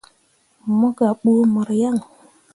Mo gah buu mor yaŋ.